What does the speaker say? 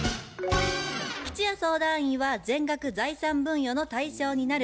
吉弥相談員は「全額財産分与の対象になる」